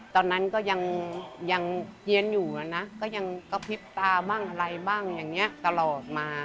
ตอนนั้นก็ยังเย็นอยู่นะก็ยังกระพริบตาบ้างอะไรบ้างอย่างนี้ตลอดมา